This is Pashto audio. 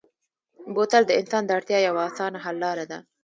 بوتل د انسان د اړتیا یوه اسانه حل لاره ده.